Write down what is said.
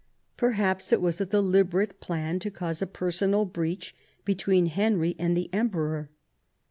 Perhaps it was a deliberate plan to cause a personal breach between Henry and the Emperor.